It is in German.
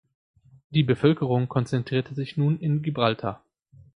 Die Bevölkerung konzentrierte sich nun in Gibraltar.